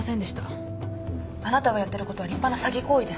あなたがやってることは立派な詐欺行為です。